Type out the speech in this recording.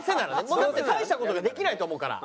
もうだって大した事ができないと思うから。